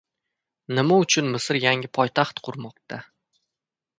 Nima uchun Misr yangi poytaxt qurmoqda?